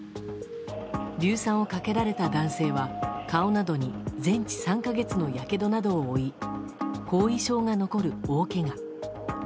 硫酸をかけられた男性は顔などに全治３か月のやけどなどを負い後遺症が残る大けが。